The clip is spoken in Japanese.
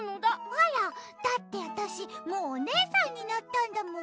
あら？だってわたしもうおねえさんになったんだもん。